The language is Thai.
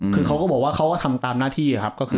เขาก็บอกว่าเขาก็ทำตามหน้าที่